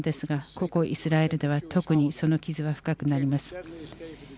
ここイスラエルでは特にその傷は深くなります。